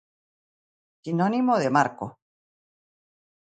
Sinónimo de marco.